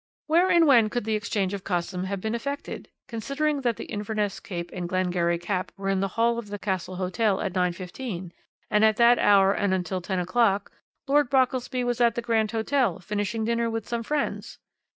Where and when could the exchange of costume have been effected, considering that the Inverness cape and Glengarry cap were in the hall of the Castle Hotel at 9.15, and at that hour and until ten o'clock Lord Brockelsby was at the Grand Hotel finishing dinner with some friends?